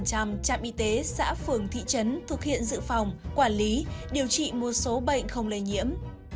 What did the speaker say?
chín mươi năm trạm y tế xã phường thị trấn thực hiện dự phòng quản lý điều trị một số bệnh không lây nhiễm